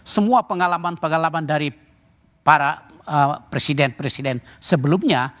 semua pengalaman pengalaman dari para presiden presiden sebelumnya